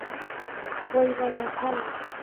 অই মাইয়া থাম।